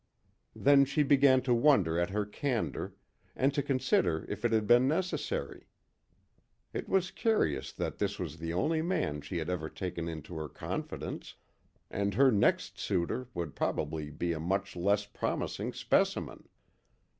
Then she began to wonder at her candour, and to consider if it had been necessary. It was curious that this was the only man she had ever taken into her confidence; and her next suitor would probably be a much less promising specimen.